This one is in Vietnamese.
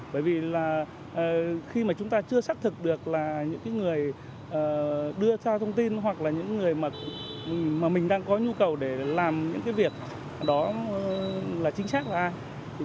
bởi vì là khi mà chúng ta chưa xác thực được là những người đưa cho thông tin hoặc là những người mà mình đang có nhu cầu để làm những cái việc đó là chính xác của ai